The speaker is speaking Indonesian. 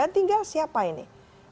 tinggal siapa ini